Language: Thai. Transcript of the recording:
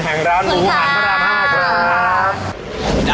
แห่งร้านหมูหันพระราม๕ครับ